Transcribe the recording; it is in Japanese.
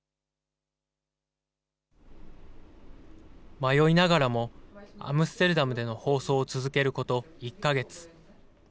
迷いながらも、アムステルダムでの放送を続けること１か月。